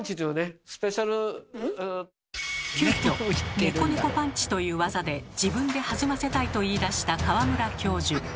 急きょネコネコパンチという技で自分で弾ませたいと言いだした川村教授。